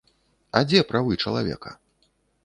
А дзе правы чалавека?